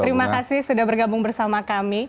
terima kasih sudah bergabung bersama kami